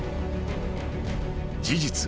［事実